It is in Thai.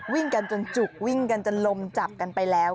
วิ่งกันจนจุกวิ่งกันจนลมจับกันไปแล้ว